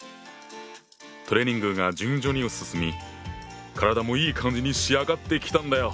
トレーニングが順調に進み体もいい感じに仕上がってきたんだよ。